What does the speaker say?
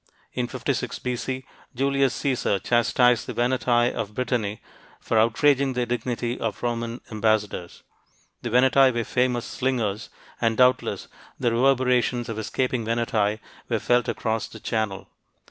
In 56 B.C., Julius Caesar chastised the Veneti of Brittany for outraging the dignity of Roman ambassadors. The Veneti were famous slingers, and doubtless the reverberations of escaping Veneti were felt across the Channel.